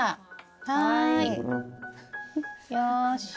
はいよし。